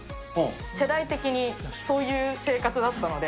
世代的に、そういう生活だったので。